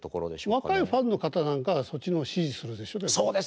若いファンの方なんかはそっちの方支持するでしょ？